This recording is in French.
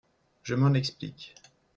Je m’en explique.